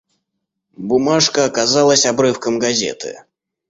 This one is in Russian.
Бумажка оказалась обрывком газеты.